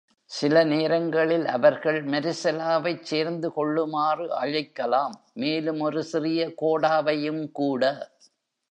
சில நேரங்களில் அவர்கள் மரிசெலாவைச் சேர்ந்துகொள்ளுமாறு அழைக்கலாம், மேலும் ஒரு சிறிய கோடாவையும் கூட.